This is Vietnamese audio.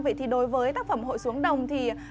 vậy thì đối với tác phẩm hội xuống đồng thì